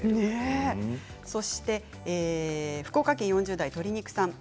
そして福岡県４０代の方です。